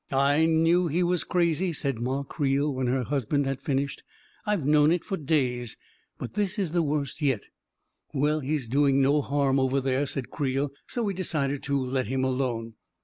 " I knew he was crazy," said Ma Creel, when her husband had finished. " I've known it for days I But this is the worst yet I " "Well, he's doing no harm over there," said Creel, " so we decided to let him alone.